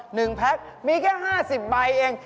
หนึ่งแพ็คมีแค่๕๐ใบเอง